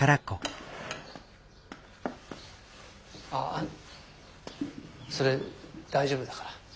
ああそれ大丈夫だから。